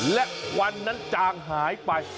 และวันนั้นจางหายไป